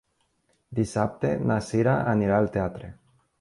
Dissabte na Sira anirà al teatre.